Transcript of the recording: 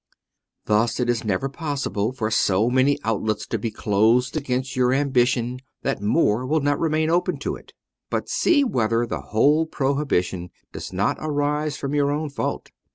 Thus, it is never possible for so many outlets to be closed against your ambition that more will not remain open to it : but see whether the whole prohibition does not arise from your own fault.